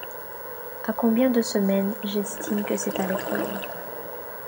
À combien de semaines j’estime que c’est aller trop loin.